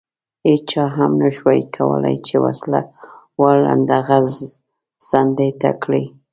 هېچا هم نه شوای کولای چې وسله وال لنډه غر څنډې ته کړي.